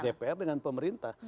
dpr dengan pemerintah